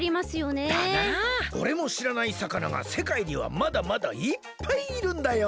おれもしらないさかながせかいにはまだまだいっぱいいるんだよ！